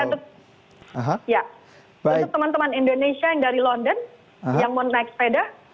untuk teman teman indonesia yang dari london yang mau naik sepeda